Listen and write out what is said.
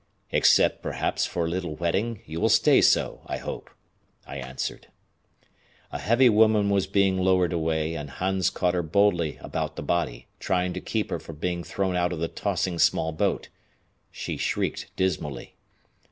"Except, perhaps, for a little wetting, you will stay so, I hope," I answered. A heavy woman was being lowered away, and Hans caught her boldly around the body, trying to keep her from being thrown out of the tossing small boat. She shrieked dismally.